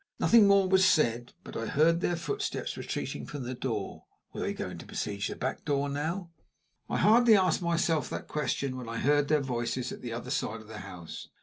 Nothing more was said, but I heard their footsteps retreating from the door. Were they going to besiege the back door now? I had hardly asked myself that question when I heard their voices at the other side of the house.